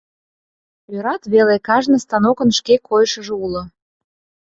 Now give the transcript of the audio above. Ӧрат веле, кажне станокын шке койышыжо уло.